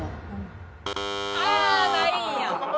ああー！ないんや。